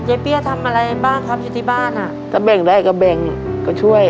เปี้ยทำอะไรบ้างครับอยู่ที่บ้านอ่ะถ้าแบ่งได้ก็แบ่งก็ช่วย